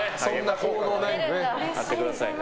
貼ってくださいね。